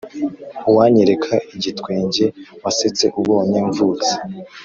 uwanyereka igitwenge wasetse ubonye mvutse